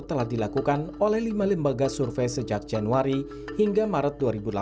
telah dilakukan oleh lima lembaga survei sejak januari hingga maret dua ribu delapan belas